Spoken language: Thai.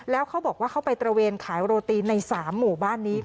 แล้วเขาบอกว่าเขาไปตระเวนขายโรตีใน๓หมู่บ้านนี้